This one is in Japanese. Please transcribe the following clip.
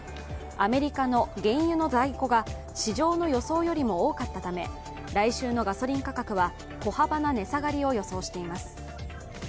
アメリカの原油の在庫が市場の予想よりも多かったため、来週のガソリン価格は小幅な値下がりを予想しています。